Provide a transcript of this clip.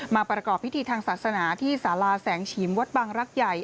ประกอบพิธีทางศาสนาที่สาราแสงฉีมวัดบังรักใหญ่